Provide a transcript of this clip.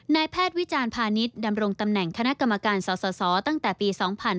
นายแพทย์วิจารณ์พาณิชย์ดำรงตำแหน่งคณะกรรมการสสตั้งแต่ปี๒๕๕๙